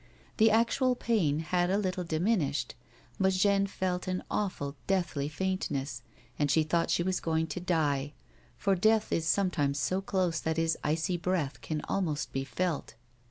The actual pain had a little diminished but Jeanne felt an awful deathly faintness, and she thought she was going to die, for Death is sometimes so close that his icy breath can almost be felt.